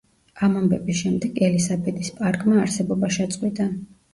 ამ ამბების შემდეგ ელისაბედის პარკმა არსებობა შეწყვიტა.